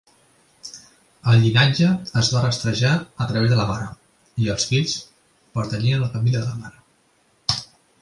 El llinatge es va rastrejar a través de la mare i els fills pertanyien a la família de la mare.